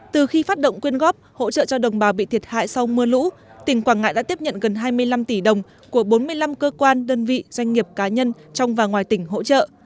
từ khi phát động quyên góp hỗ trợ cho đồng bào bị thiệt hại sau mưa lũ tỉnh quảng ngãi đã tiếp nhận gần hai mươi năm tỷ đồng của bốn mươi năm cơ quan đơn vị doanh nghiệp cá nhân trong và ngoài tỉnh hỗ trợ